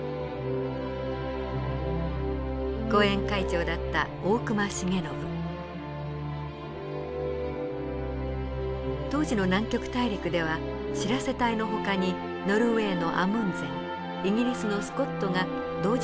後援会長だった当時の南極大陸では白瀬隊のほかにノルウェーのアムンゼンイギリスのスコットが同時に南極点を目指していました。